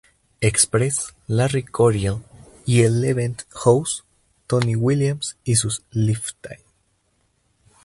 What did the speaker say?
Express, Larry Coryell y Eleventh House, Tony Williams y sus Lifetime...